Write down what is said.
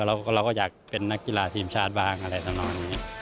แล้วเราก็อยากเป็นนักกีฬาทีมชาติบ้างอะไรแบบนั้น